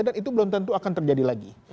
dan itu belum tentu akan terjadi lagi